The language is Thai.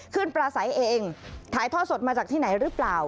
ปลาใสเองถ่ายทอดสดมาจากที่ไหนหรือเปล่า